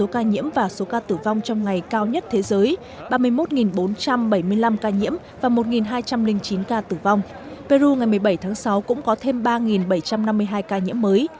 bảy mươi năm ca nhiễm và một hai trăm linh chín ca tử vong peru ngày một mươi bảy tháng sáu cũng có thêm ba bảy trăm năm mươi hai ca nhiễm mới